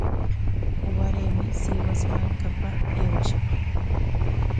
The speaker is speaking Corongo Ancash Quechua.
Waraymi Sihus markapa aywashaq.